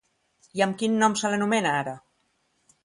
I amb quin nom se l'anomena ara?